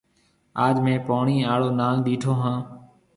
آج ميه پوڻِي آݪو ناگ ڏيٺو هون۔